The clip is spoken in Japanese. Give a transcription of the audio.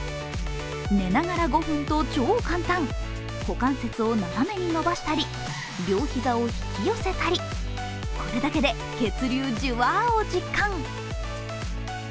寝ながら５分と超簡単、股関節を長めに伸ばしたり、両膝を引き寄せたりこれだけで血流ジュワーを実感。